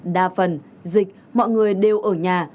đa phần dịch mọi người đều ở nhà